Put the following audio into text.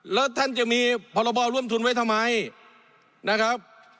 แล้วท่านจะมีพรบร่วมทุนไว้ทำไมนะครับ